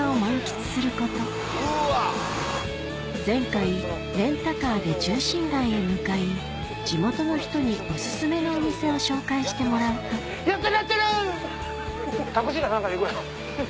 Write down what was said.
前回レンタカーで中心街へ向かい地元の人にお薦めのお店を紹介してもらうとやってるやってる！